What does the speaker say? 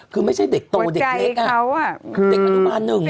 คือไม่ใช่เด็กโตเด็กเล็กอะ